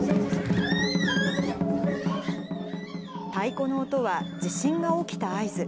太鼓の音は地震が起きた合図。